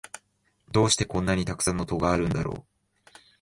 どうしてこんなにたくさん戸があるのだろう